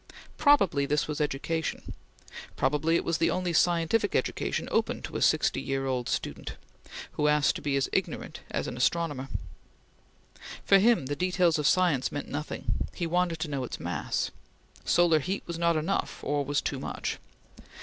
Probably this was education. Perhaps it was the only scientific education open to a student sixty odd years old, who asked to be as ignorant as an astronomer. For him the details of science meant nothing: he wanted to know its mass. Solar heat was not enough, or was too much.